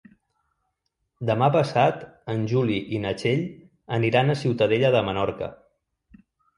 Demà passat en Juli i na Txell aniran a Ciutadella de Menorca.